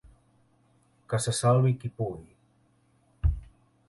Que se salvi qui pugui...